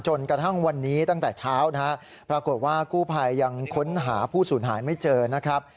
จนกระทั่งวันนี้ตั้งแต่เช้านะฮะปรากฏว่ากู้ภัยยังค้นหาผู้สูญหายไม่เจอนะครับ